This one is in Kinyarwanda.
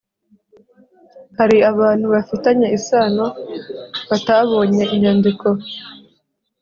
hari abantu bafitanye isano batabonye inyandiko